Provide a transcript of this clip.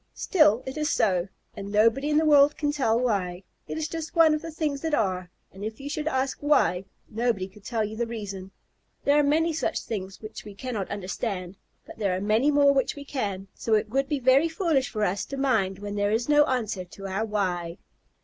Still, it is so, and nobody in the world can tell why. It is just one of the things that are, and if you should ask "Why?" nobody could tell you the reason. There are many such things which we cannot understand, but there are many more which we can, so it would be very foolish for us to mind when there is no answer to our "Why?"